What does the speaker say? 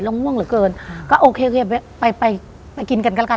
เราง่วงเหลือเกินก็โอเคไปไปกินกันกันกัน